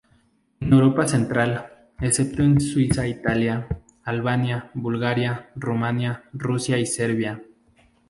En Europa Central -excepto en Suiza- Italia, Albania, Bulgaria, Rumania, Rusia y Serbia.